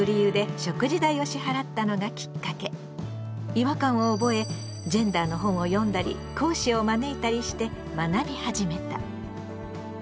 違和感を覚えジェンダーの本を読んだり講師を招いたりして学び始めた。